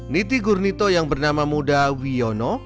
niti gurnito yang bernama muda wiono